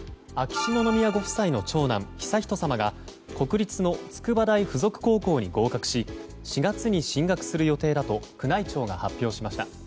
秋篠宮ご夫妻の長男悠仁さまが国立の筑波大附属高校に合格し４月に進学する予定だと宮内庁が発表しました。